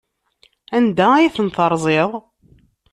Anda ay ten-terẓiḍ?